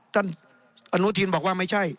ท่านอนุทินบอกว่าไม่ใช่